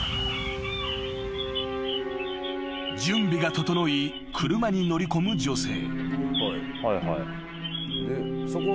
［準備が整い車に乗り込む女性］